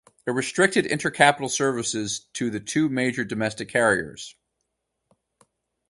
It restricted intercapital services to the two major domestic carriers.